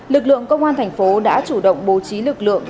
lực lượng công an thành phố đã chủ động bố trí lực lượng